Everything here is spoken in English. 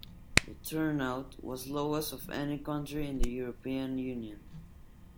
The turnout was lowest of any country in the European Union.